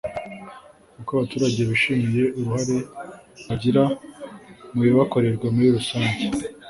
Uko abaturage bishimiye uruhare bagira mu bibakorerwa muri rusange